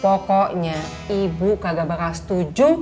pokoknya ibu kagak bakal setuju